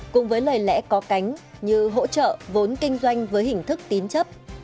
cùng với lời lẽ có cánh như hỗ trợ vốn kinh doanh với hình thức tín chấp